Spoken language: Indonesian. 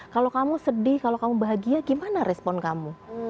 kalau kamu sedih kalau kamu bahagia gimana respon kamu